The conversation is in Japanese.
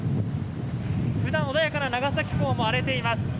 ふだん、穏やかな長崎港も荒れています。